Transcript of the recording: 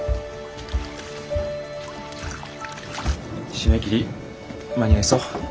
締め切り間に合いそう？